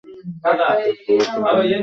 তার ফুফাতো ভাই নভেম্বর মাসে জন্মগ্রহণ করে।